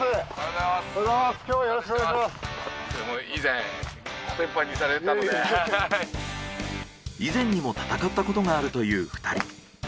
以前にも戦ったことがあるという２人。